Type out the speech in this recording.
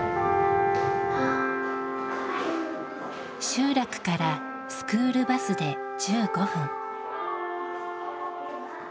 集落からスクールバスで１５分。